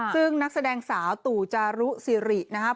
ซึ่งนักแสดงสาวตู่จารุสิรินะครับ